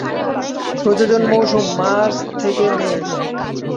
প্রজনন মৌসুম মার্চ থেকে মে।